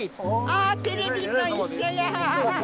あテレビと一緒や！